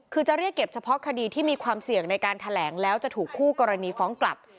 คือจะเรียกเก็บเฉพาะคดีที่มีความเสี่ยงในการแถลงแล้วจะถูกคู่กรณีฟ้องกลับ